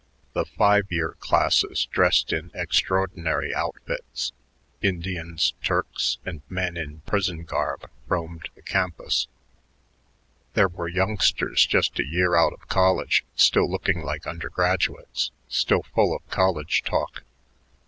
The "five year" classes dressed in extraordinary outfits Indians, Turks, and men in prison garb roamed the campus. There were youngsters just a year out of college, still looking like undergraduates, still full of college talk.